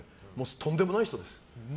とんでもない人です。